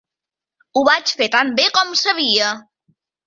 Ho vaig fer tan bé com sabia.